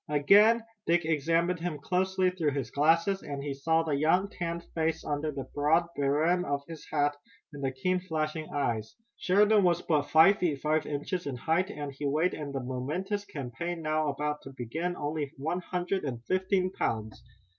Again Dick examined him closely through his glasses, and he saw the young, tanned face under the broad brim of his hat, and the keen, flashing eyes. He noticed also how small he was. Sheridan was but five feet five inches in height and he weighed in the momentous campaign now about to begin, only one hundred and fifteen pounds!